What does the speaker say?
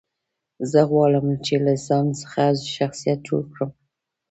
زه غواړم، چي له ځان څخه شخصیت جوړ کړم.